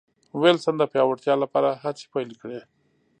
وېلسن د پیاوړتیا لپاره هڅې پیل کړې.